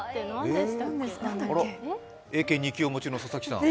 あら、英検２級をお持ちの佐々木さん。